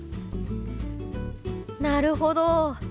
なるほど。